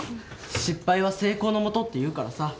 「失敗は成功のもと」って言うからさ。